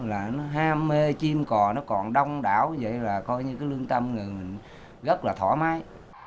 là nó ham mê chim cò nó còn đông đảo như vậy là coi như cái lương tâm người mình rất là thoải mái